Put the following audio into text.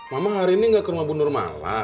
mama hari ini gak ke rumah bundur mala